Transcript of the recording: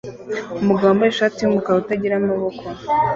Umugabo wambaye ishati yumukara utagira amaboko